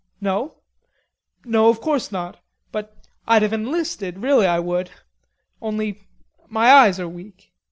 "No.... No, of course not, but I'd have enlisted, really I would. Only my eyes are weak."